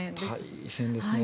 大変ですね。